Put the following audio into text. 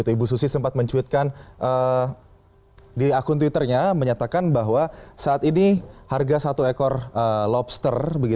ibu susi sempat mencuitkan di akun twitternya menyatakan bahwa saat ini harga satu ekor lobster